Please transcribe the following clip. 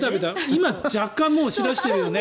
今、若干もうし出してるよね。